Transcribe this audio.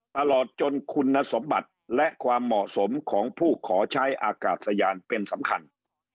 ตลอดจนคุณสมบัติและความเหมาะสมของผู้ขอใช้อากาศยานเป็นสำคัญ